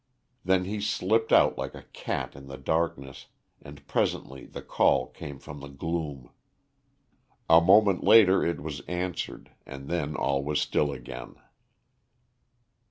Then he slipped out like a cat in the darkness, and presently the call came from the gloom. A moment later it was answered and then all was still again.